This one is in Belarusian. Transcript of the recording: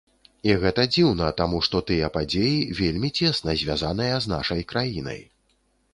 І гэта дзіўна, таму што тыя падзеі вельмі цесна звязаныя з нашай краінай.